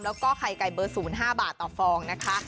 แล้วก็ไข่ไก่เบอร์๐๕บาทต่อฟองนะคะ